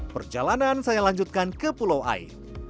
perjalanan saya lanjutkan ke pulau ai